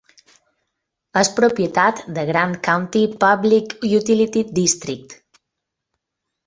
És propietat de Grant County Public Utility District.